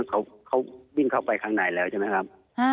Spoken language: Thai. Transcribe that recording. เขาวิ่งเข้าไปข้างในแล้วใช่ไหมครับ